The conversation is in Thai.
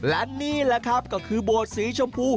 และนี่แหละครับก็คือโบสถสีชมพู